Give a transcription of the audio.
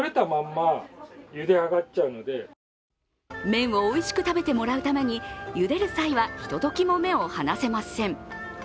麺をおいしく食べてもらうためにゆでる際は、ひとときも目を離せません。